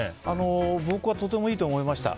僕はとてもいいと思いました。